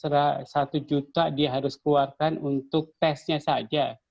satu juta dia harus keluarkan untuk tesnya saja